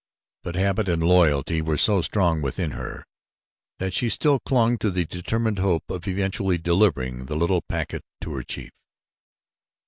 But habit and loyalty were so strong within her that she still clung to the determined hope of eventually delivering the little packet to her chief.